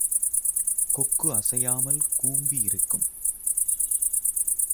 கொக்கு அசையாமல் கூம்பி இருக்கும்.